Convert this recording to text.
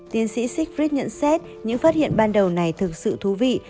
tiến sĩ sixrit nhận xét những phát hiện ban đầu này thực sự thú vị